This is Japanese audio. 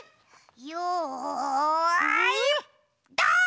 よいドン！